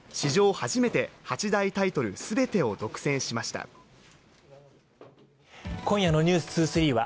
初めて８大タイトルすべてを独占しました今夜の「ｎｅｗｓ２３」は